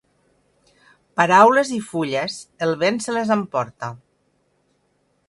Paraules i fulles, el vent se les emporta.